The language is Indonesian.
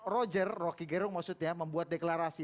roger rocky gerung maksudnya membuat deklarasi